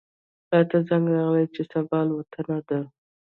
راته زنګ راغی چې صبا الوتنه ده.